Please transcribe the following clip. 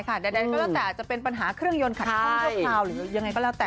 ใดก็แล้วแต่จะเป็นปัญหาเครื่องยนต์ขัดข้องชั่วคราวหรือยังไงก็แล้วแต่